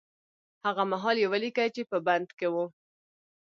هغه مهال يې وليکه چې په بند کې و.